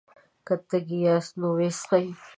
که تږي ياست نو ويې څښئ!